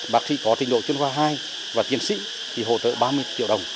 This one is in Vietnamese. bác sĩ có tình độ chuyên khoa hai và tiến sĩ thì hỗ trợ ba mươi triệu đồng